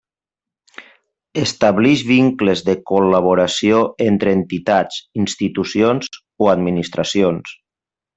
Estableix vincles de col·laboració entre entitats, institucions o administracions.